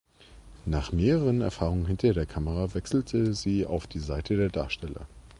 Nach mehreren Erfahrungen hinter der Kamera wechselte sie auf die Seite der Darsteller.